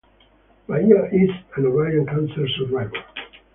Bahia is an ovarian cancer survivor.